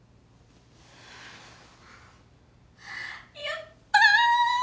やったー！！